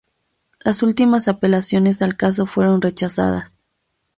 Las últimas apelaciones al caso fueron rechazadas.